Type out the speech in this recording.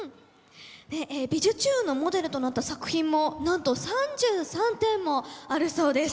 で「びじゅチューン！」のモデルとなった作品もなんと３３点もあるそうです。